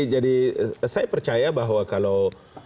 jadi saya percaya bahwa kalau